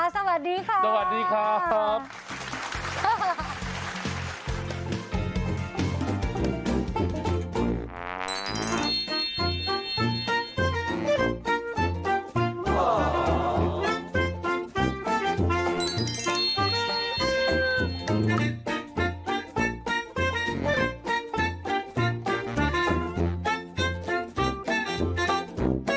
สวัสดีครับ